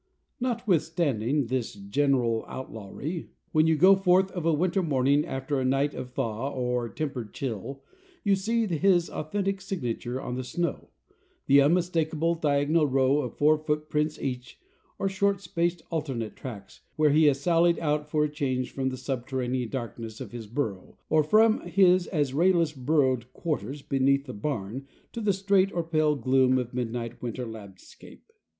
Notwithstanding this general outlawry, when you go forth of a winter morning, after a night of thaw or tempered chill, you see his authentic signature on the snow, the unmistakable diagonal row of four footprints each, or short spaced alternate tracks, where he has sallied out for a change from the subterranean darkness of his burrow, or from his as rayless borrowed quarters beneath the barn, to the starlight or pale gloom of midnight winter landscape.